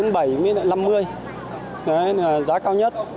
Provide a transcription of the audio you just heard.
đấy là giá cao nhất